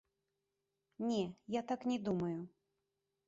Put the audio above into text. Не, я так не думаю.